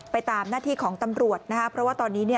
ตามหน้าที่ของตำรวจนะครับเพราะว่าตอนนี้เนี่ย